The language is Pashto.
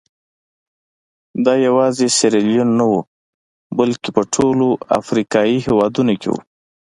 دا یوازې سیریلیون نه وو بلکې په ټولو افریقایي هېوادونو کې وو.